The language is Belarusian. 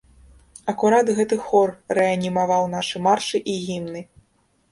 Акурат гэты хор рэанімаваў нашы маршы і гімны.